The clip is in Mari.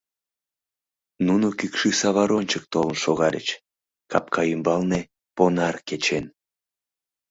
Нуно кӱкшӱ савар ончык толын шогальыч капка ӱмбалне понар кечен.